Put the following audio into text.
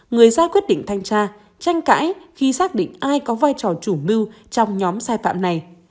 người ra quyết định thanh tra tranh cãi khi xác định ai có vai trò chủ mưu trong nhóm sai phạm này